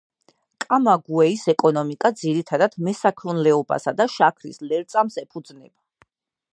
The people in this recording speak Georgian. კამაგუეის ეკონომიკა ძირითადად მესაქონლეობასა და შაქრის ლერწამს ეფუძნება.